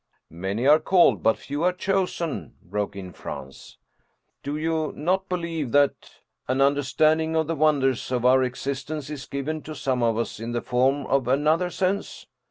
" Many are called, but few are chosen," broke in Franz. " Do you not believe that an understanding of the wonders of our existence is given to some of us in the form of an other sense?